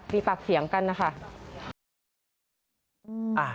มีปากเสียงกันนะคะ